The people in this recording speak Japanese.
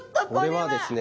これはですね。